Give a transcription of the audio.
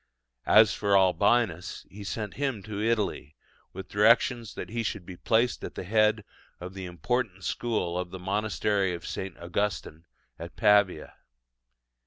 As for Albinus, he sent him to Italy, with directions that he should be placed at the head of the important school of the monastery of St. Augustine at Pavia.